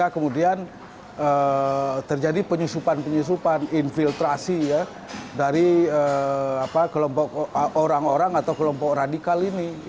kemudian terjadi penyusupan penyusupan infiltrasi dari kelompok orang orang atau kelompok radikal ini